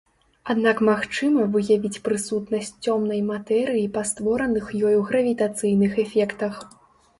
Аднак магчыма выявіць прысутнасць цёмнай матэрыі па створаных ёю гравітацыйных эфектах.